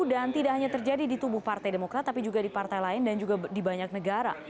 dan tidak hanya terjadi di tubuh partai demokrat tapi juga di partai lain dan juga di banyak negara